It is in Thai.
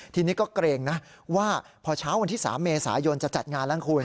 ทีนี้ก็เกรงนะว่าพอเช้าวันที่๓เมษายนจะจัดงานแล้วคุณ